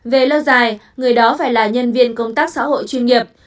về lâu dài người đó phải là nhân viên công tác xã hội chuyên nghiệp